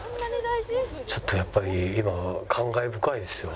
ちょっとやっぱり今感慨深いですよ。